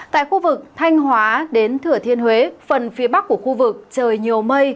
tại khu vực thanh hóa đến thửa thiên huế phần phía bắc của khu vực trời nhiều mây